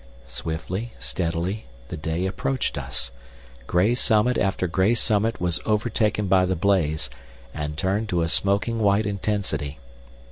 Swiftly, steadily, the day approached us. Grey summit after grey summit was overtaken by the blaze, and turned to a smoking white intensity.